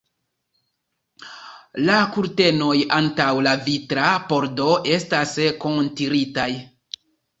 La kurtenoj antaŭ la vitra pordo estas kuntiritaj.